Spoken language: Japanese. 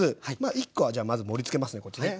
１コはじゃあまず盛りつけますねこっちね。